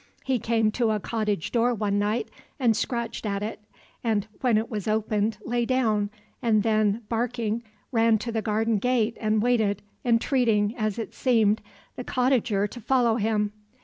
He came to a cottage door one night and scratched at it, and when it was opened lay down, and then, barking, ran to the garden gate and waited, entreating, as it seemed, the cottager to follow him.